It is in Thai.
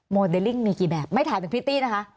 โมเดลลิ่งมีกี่แบบไม่ถามถึงพริตตี้นะคะ